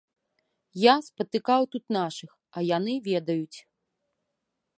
Я спатыкаў тут нашых, а яны ведаюць.